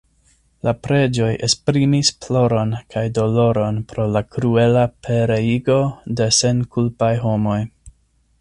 La preĝoj esprimis ploron kaj doloron pro la kruela pereigo de senkulpaj homoj.